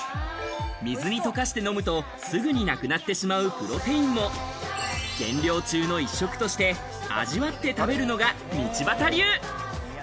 水に溶かして飲むとすぐになくなってしまうプロテインも減量中の１食として味わって食べるのが道端流。